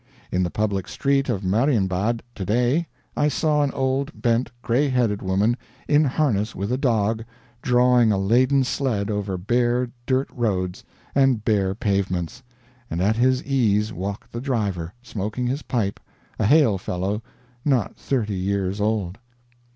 "In the public street of Marienbad to day, I saw an old, bent, gray headed woman, in harness with a dog, drawing a laden sled over bare dirt roads and bare pavements; and at his ease walked the driver, smoking his pipe, a hale fellow not thirty years old."